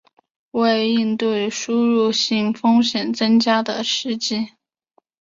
为应对输入性风险增加的实际